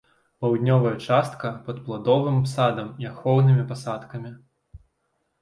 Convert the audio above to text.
Паўднёвая частка пад пладовым садам і ахоўнымі пасадкамі.